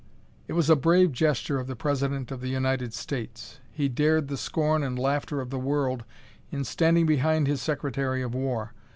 It was a brave gesture of the President of the United States; he dared the scorn and laughter of the world in standing behind his Secretary of War.